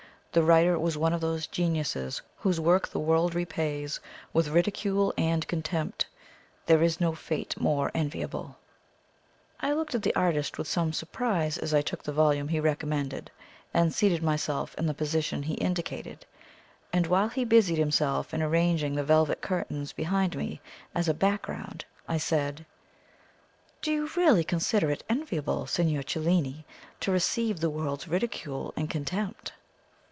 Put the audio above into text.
The writer was one of those geniuses whose work the world repays with ridicule and contempt. There is no fate more enviable!" I looked at the artist with some surprise as I took the volume he recommended, and seated myself in the position he indicated; and while he busied himself in arranging the velvet curtains behind me as a background, I said: "Do you really consider it enviable, Signor Cellini, to receive the world's ridicule and contempt?"